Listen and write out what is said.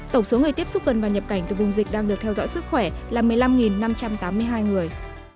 tổng số người tiếp xúc gần và nhập cảnh từ vùng dịch đang được theo dõi sức khỏe là một mươi năm năm trăm tám mươi hai người